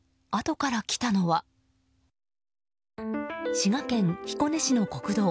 滋賀県彦根市の国道。